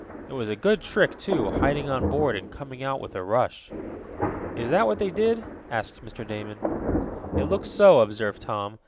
It was a good trick, too, hiding on board, and coming out with a rush." "Is that what they did?" asked Mr. Damon. "It looks so," observed Tom.